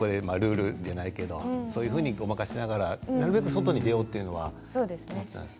でも、そういうふうにごまかしながら、なるべく外に出ようというのはあったんですね。